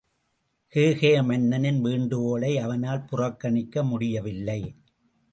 கேகய மன்னனின் வேண்டுகோளை அவனால் புறக்கணிக்க முடியவில்லை.